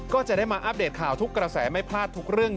ก็จะได้มาอัปเดตข่าวทุกกระแสไม่พลาดทุกเรื่อง